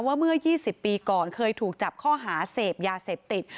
ว่าเมื่อยี่สิบปีก่อนเคยถูกจับข้อหาเสพยาเศรษฐติด